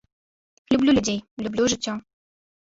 Люблю людзей, люблю жыццё.